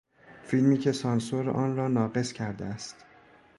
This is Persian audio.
فیلمی که سانسور آن را ناقص کرده است